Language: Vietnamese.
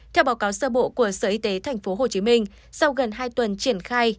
theo báo cáo sơ bộ của sở y tế tp hcm sau gần hai tuần triển khai